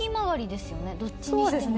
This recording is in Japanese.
どっちにしても。